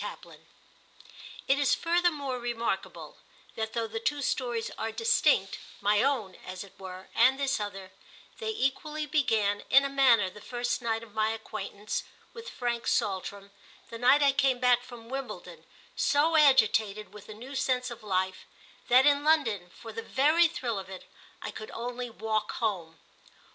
II IT is furthermore remarkable that though the two stories are distinct—my own, as it were, and this other—they equally began, in a manner, the first night of my acquaintance with Frank Saltram, the night I came back from Wimbledon so agitated with a new sense of life that, in London, for the very thrill of it, I could only walk home.